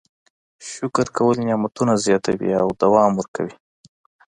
شکر کول نعمتونه زیاتوي او دوام ورکوي.